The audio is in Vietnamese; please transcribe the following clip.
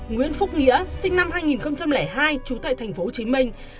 nguyễn phúc nghĩa sinh năm hai nghìn hai trú tại thành phố hồ chí minh